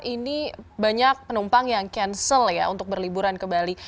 ini banyak penumpang yang cancel ya untuk berliburan ke bali